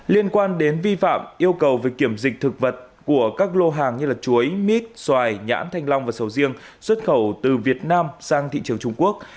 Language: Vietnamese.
liên quan đến vi phạm yêu cầu về kiểm dịch thực vật của các lô hàng như chuối mít xoài nhãn thanh long và sầu riêng xuất khẩu từ việt nam sang thị trường trung quốc